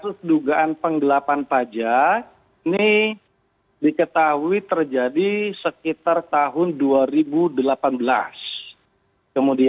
pertama ketika ini penggunaan penggelapan pajak ini diketahui terjadi sekitar tahun dua ribu delapan belas kemudian di april dua ribu dua puluh dua setelah ada proses yang dari kapolres lama itu